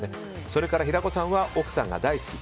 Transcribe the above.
それから平子さんは奥さんが大好き。